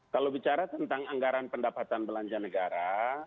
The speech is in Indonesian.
kalau bicara tentang anggaran pendapatan belanja negara